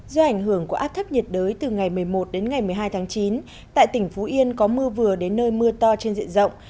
do ảnh hưởng của áp thấp nhiệt đới từ ngày một mươi một đến ngày một mươi hai tháng chín tại tỉnh phú yên có mưa vừa đến nơi mưa to trên diện rộng